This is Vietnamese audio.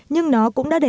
nhưng nó không thể khó lập